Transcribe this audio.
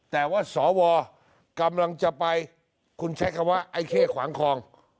แต่ว่าสวกำลังจะไปคุณใช้คำว่าไอ้เข้ขวางคลอง